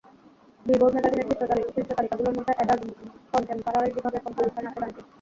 Billboard ম্যাগাজিনের শীর্ষ তালিকাগুলোর মধ্যে অ্যাডাল্ট কন্টেম্পারারি বিভাগের পঞ্চম স্থানে আছে গানটি।